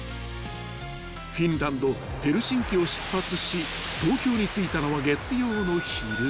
［フィンランドヘルシンキを出発し東京に着いたのは月曜の昼］